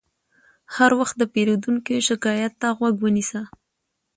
هر وخت د پیرودونکي شکایت ته غوږ ونیسه.